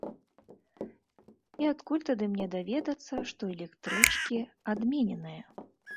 І адкуль тады мне даведацца, што электрычкі адмененыя?